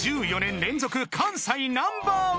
１４年連続関西Ｎｏ．１］